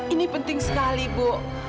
ini penting sekali bu